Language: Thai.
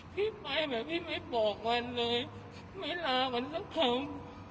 พี่ไปน่ะพี่ไม่บอกมันเลยไม่ลามันสักครั้ง